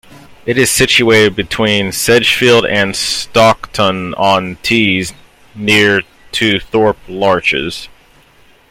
It is situated between Sedgefield and Stockton-on-Tees, near to Thorpe Larches.